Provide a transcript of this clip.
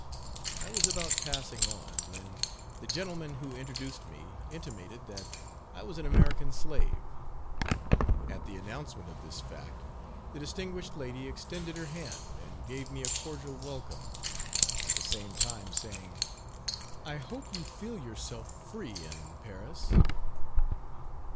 I was about passing on, when the gentleman who introduced me intimated that I was an "American slave." At the announcement of this fact the distinguished lady extended her hand and gave me a cordial welcome at the same time saying, "I hope you feel yourself free in Paris."